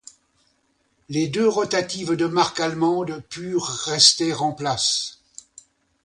Les deux rotatives de marque allemande purent rester en place.